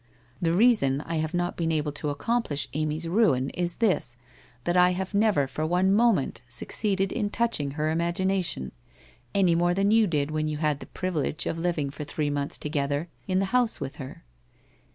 The reason I have not been able to accomplish Amy's ruin is this, that I have never WHITE ROSE OF WEARY LEAF 151 for one moment succeeded in touching her imagination — any more than you did, when you had the privilege of living for three months together in the house with her.